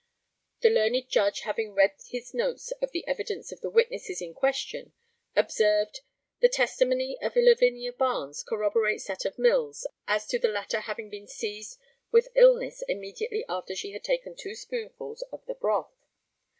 The learned judge, having read his notes of the evidence of the witnesses in question, observed, the testimony of Lavinia Barnes corroborates that of Mills as to the latter having been seized with illness immediately after she had taken two spoonfuls of the broth.